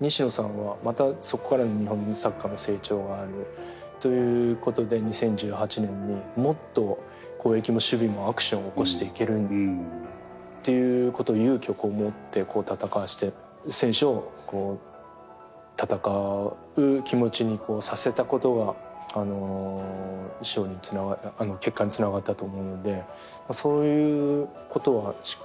西野さんはまたそこからの日本のサッカーの成長があるということで２０１８年にもっと攻撃も守備もアクションを起こしていけるっていうことを勇気を持って戦わせて選手を戦う気持ちにさせたことが結果につながったと思うのでそういうことはしっかりとやりながら。